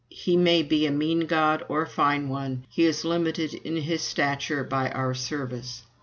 He may be a mean God or a fine one. He is limited in his stature by our service.